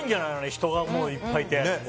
人がいっぱいいて。